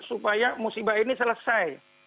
supaya musibah ini selesai